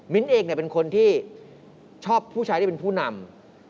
เองเป็นคนที่ชอบผู้ชายที่เป็นผู้นำ